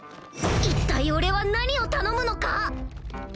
一体俺は何を頼むのか？